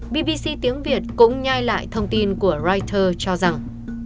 bbc tiếng việt cũng nhai lại thông tin của reuters cho rằng